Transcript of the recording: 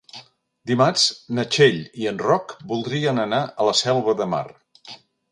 Dimarts na Txell i en Roc voldrien anar a la Selva de Mar.